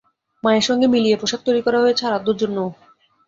মায়ের সঙ্গে মিলিয়ে পোশাক তৈরি করা হয়েছে আরাধ্যর জন্যও।